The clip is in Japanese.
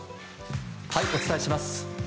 お伝えします。